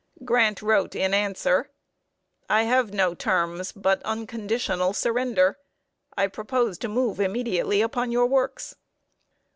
Grant wrote in answer: "I have no terms but unconditional surrender. I propose to move immediately upon your works."